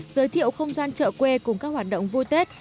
giới thiệu không gian chợ quê cùng các hoạt động vui tết